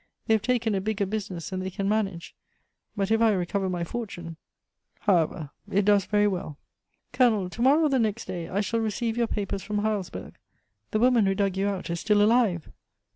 They have taken a bigger business than they can manage. But if I recover my fortune... However, it does very well." "Colonel, to morrow or the next day, I shall receive your papers from Heilsberg. The woman who dug you out is still alive!"